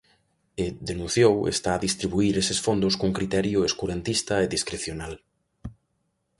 E, denunciou, está a distribuír eses fondos cun criterio "escurantista" e "discrecional".